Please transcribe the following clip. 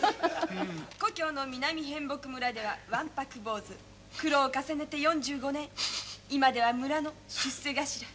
「故郷の南へんぼく村ではわんぱく坊主苦労を重ねて４５年今では村の出世頭。